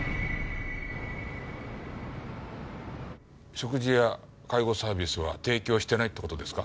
食事や介護サービスは提供してないって事ですか？